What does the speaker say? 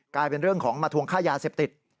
กลายเป็นเรื่องของมาทวงค่ายาเสพติด